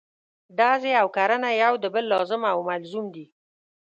ډزې او کرنه یو د بل لازم او ملزوم دي.